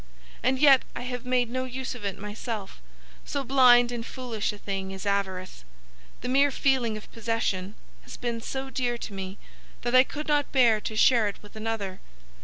And yet I have made no use of it myself,—so blind and foolish a thing is avarice. The mere feeling of possession has been so dear to me that I could not bear to share it with another.